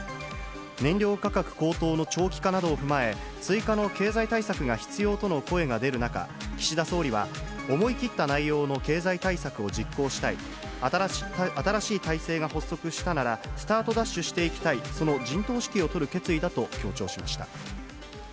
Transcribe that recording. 燃料価格高騰の長期化などを踏まえ、追加の経済対策が必要との声が出る中、岸田総理は思い切った内容の経済対策を実行したい、新しい体制が発足したなら、スタートダッシュしていきたい、その陣頭指揮を執る決意だと強調しました。